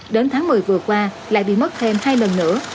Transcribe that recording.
đến tháng một mươi vừa qua lại bị mất thêm hai lần nữa